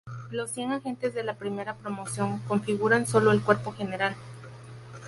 Los cien agentes de la primera promoción configuran solo el Cuerpo General.